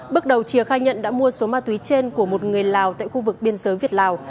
bước đầu chìa khai nhận đã mua số ma túy trên của một người lào tại khu vực biên giới việt lào